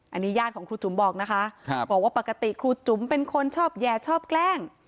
อันนี้ญาติของครูจุ๋มบอกนะคะบอกว่าปกติครูจุ๋มเป็นคนชอบแย่ชอบแกล้ง